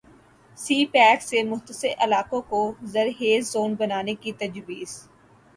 سی pack سے متصل علاقوں کو ذرخیز زون بنانے کی تجویز